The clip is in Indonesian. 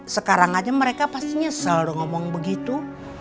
sekarang aja mereka pasti nyesel ngomong begitu